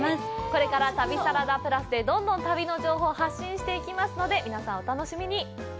これから「旅サラダＰＬＵＳ」でどんどん旅の情報を発信していきますので、お楽しみに！